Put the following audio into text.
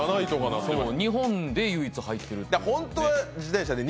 日本で唯一入ってるというね。